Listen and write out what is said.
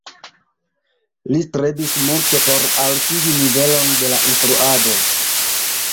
Li strebis multe por altigi nivelon de la instruado.